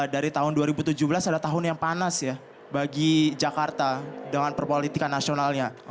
dari tahun dua ribu tujuh belas ada tahun yang panas ya bagi jakarta dengan perpolitikan nasionalnya